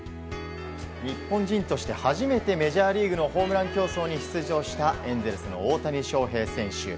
日本人として初めてメジャーリーグのホームラン競争に出場したエンゼルスの大谷翔平選手。